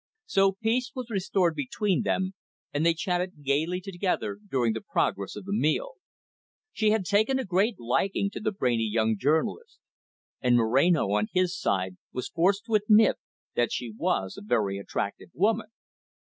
So peace was restored between them, and they chatted gaily together during the progress of the meal. She had taken a great liking to the brainy young journalist. And Moreno, on his side, was forced to admit that she was a very attractive woman.